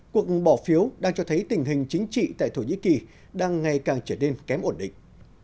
cuộc bỏ phiếu đang cho thấy tình hình chính trị tại thổ nhĩ kỳ đang ngày càng trở nên kém ổn định